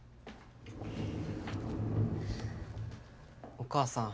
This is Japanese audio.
お母さん。